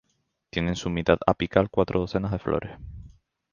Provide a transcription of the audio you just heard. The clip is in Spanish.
Tiene en su mitad apical cuatro docenas de flores.